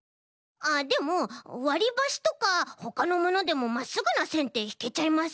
あっでもわりばしとかほかのものでもまっすぐなせんってひけちゃいません？